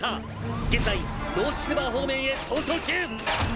現在ノースシルバー方面へ逃走中！」